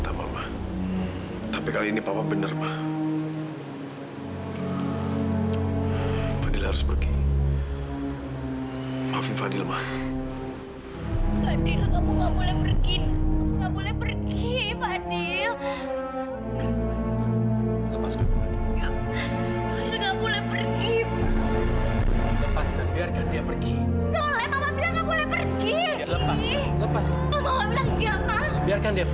sampai jumpa di video selanjutnya